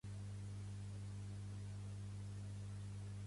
Els seus pares, immigrant espanyols, eren carnissers.